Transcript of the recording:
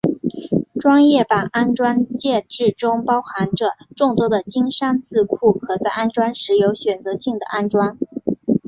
专业版安装介质中包含着众多的金山字库可在安装时有选择性的安装。